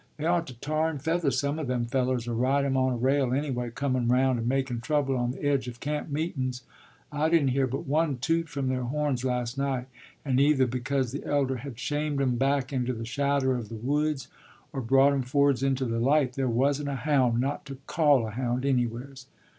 They ought to tar and feather some of them fellers, or ride 'em on a rail anyway, comun' round, and makun' trouble on the edge of camp meetun's. I didn't hear but one toot from their horns, last night, and either because the elder had shamed 'em back into the shadder of the woods, or brought 'em forwards into the light, there wasn't a Hound, not to call a Hound, anywheres.